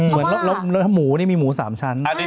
เหมือนเนื้อหมูนี่มีหมู๓ชั้น